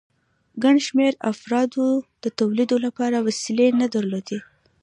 ګڼ شمېر افرادو د تولید لپاره وسیلې نه درلودې